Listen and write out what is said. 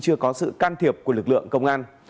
chưa có sự can thiệp của lực lượng công an